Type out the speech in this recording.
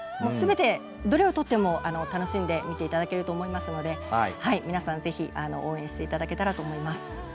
すべてどれをとっても楽しんで見ていただけると思いますので皆さん、ぜひ応援していただけたらと思います。